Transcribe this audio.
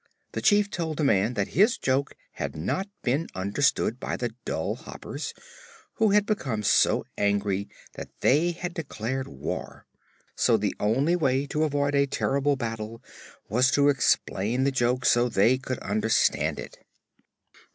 The Chief told the man that his joke had not been understood by the dull Hoppers, who had become so angry that they had declared war. So the only way to avoid a terrible battle was to explain the joke so they could understand it.